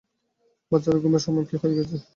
বাচ্চারা, ঘুমের সময় হয়ে গেছে।